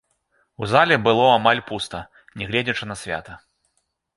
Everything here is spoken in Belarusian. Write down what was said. У зале было амаль пуста, нягледзячы на свята.